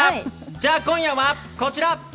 じゃあ今夜は、こちら！